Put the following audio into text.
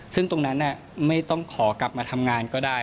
ซึ่งตรงนั้นไม่ต้องขอกลับมาทำงานก็ได้